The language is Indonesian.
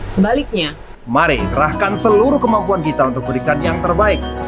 sebaliknya mari rahkan seluruh kemampuan kita untuk berikan yang terbaik